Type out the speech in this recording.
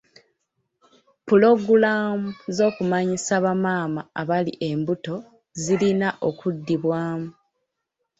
Pulogulaamu z'okumanyisa bamaama abali embuto zirina okuddibwamu.